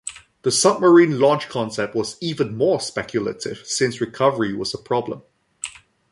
The submarine launch concept was even more speculative, since recovery was a problem.